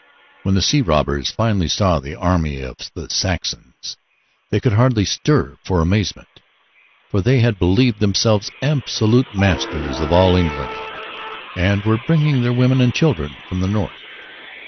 When the sea robbers finally saw the army of the Saxons they could hardly stir for amazement, for they had believed themselves absolute masters of all England and were bringing their women and children from the north.